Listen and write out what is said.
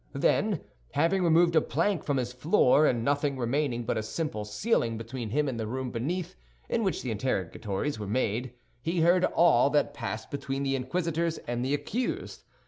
Then, having removed a plank from his floor, and nothing remaining but a simple ceiling between him and the room beneath, in which the interrogatories were made, he heard all that passed between the inquisitors and the accused.